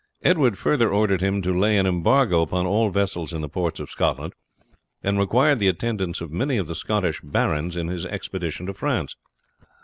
Edward further ordered him to lay an embargo upon all vessels in the ports of Scotland, and required the attendance of many of the Scottish barons in his expedition to France.